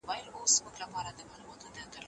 نړۍ دې زموږ تماشه وکړي.